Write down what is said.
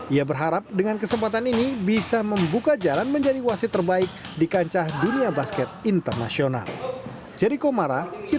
ia berharap dengan kesempatan ini bisa membuka jalan menjadi wasit terbaik di kancah dunia basket internasional